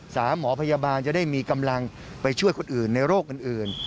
หมอพยาบาลจะได้มีกำลังไปช่วยคนอื่นในโรคอื่น